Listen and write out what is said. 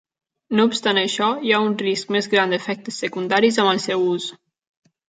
No obstant això, hi ha un risc més gran d'efectes secundaris amb el seu ús.